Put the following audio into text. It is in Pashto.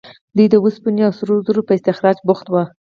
دوی د اوسپنې او سرو زرو په استخراج بوخت وو.